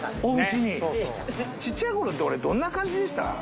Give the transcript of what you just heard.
ちっちゃい頃って俺どんな感じでした？